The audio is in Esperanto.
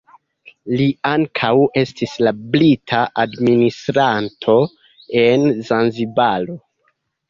Li ankaŭ estis la brita administranto en Zanzibaro.